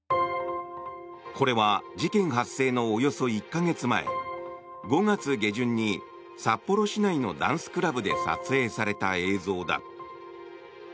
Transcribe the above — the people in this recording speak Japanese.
これは、事件発生のおよそ１か月前、５月下旬に札幌市内のダンスクラブで撮影された映像だ。